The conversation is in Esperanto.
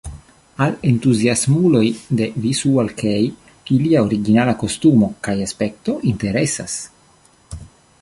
Al entuziasmuloj de Visual-kei, ilia originala kostumo kaj aspekto interesas.